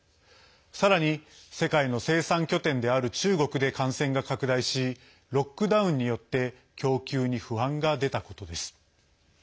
さらに、世界の生産拠点である中国で感染が拡大しロックダウンによって供給に不安が出たことです。